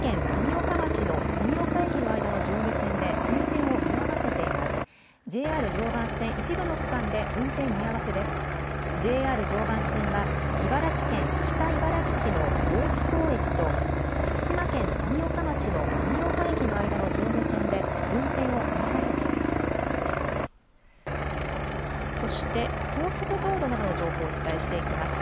ＪＲ常磐線は茨城県北茨城市の大津港駅と福島県富岡町の富岡駅の間の上下線で運転を見合わせています。